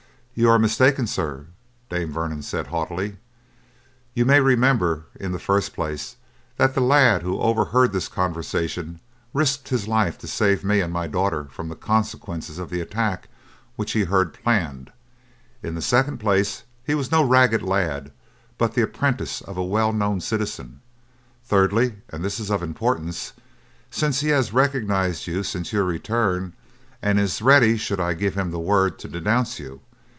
"You are mistaken, sir," Dame Vernon said haughtily. "You may remember, in the first place, that the lad who overheard this conversation risked his life to save me and my daughter from the consequences of the attack which he heard planned; in the second place, he was no ragged lad, but the apprentice of a well known citizen; thirdly, and this is of importance, since he has recognized you since your return, and is ready should I give him the word, to denounce you.